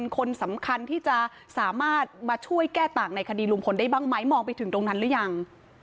คนสำคัญที่จะสามารถมาช่วยแก้ต่างในคดีลุงพลได้บ้างไหมมองไปถึงตรงนั้นหรือยัง